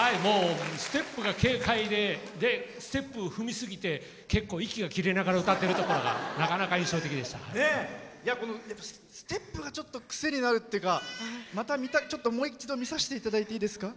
ステップが軽快でステップを踏みすぎて結構、息が切れながら歌っているところがステップがちょっと癖になるっていうかもう一度見させていただいていいですか？